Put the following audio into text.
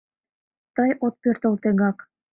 Тый от пӧртыл тегак.